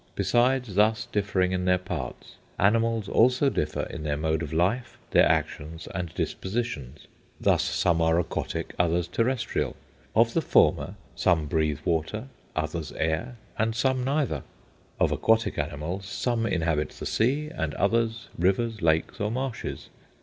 Besides thus differing in their parts, animals also differ in their mode of life, their actions and dispositions. Thus some are aquatic, others terrestrial; of the former, some breathe water, others air, and some neither. Of aquatic animals, some inhabit the sea, and others rivers, lakes, or marshes.